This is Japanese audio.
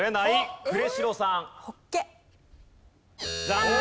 残念。